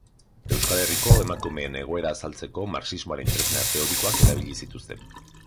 Euskal Herriko emakumeen egoera azaltzeko Marxismoaren tresna teorikoak erabili zituzten.